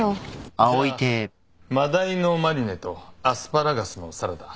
じゃあマダイのマリネとアスパラガスのサラダ。